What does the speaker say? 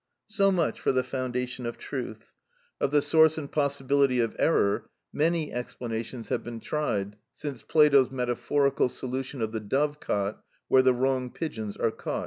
So much for the foundation of truth. Of the source and possibility of error many explanations have been tried since Plato's metaphorical solution of the dove cot where the wrong pigeons are caught, &c.